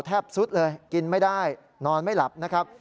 ซุดเลยกินไม่ได้นอนไม่หลับนะครับ